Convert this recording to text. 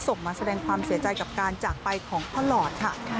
มาแสดงความเสียใจกับการจากไปของพ่อหลอดค่ะ